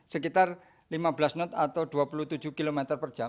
sekitar lima belas knot atau dua puluh tujuh km per jam